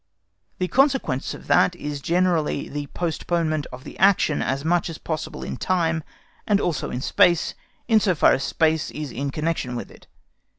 The consequence of that is generally the postponement of the action as much as possible in time, and also in space, in so far as space is in connection with it.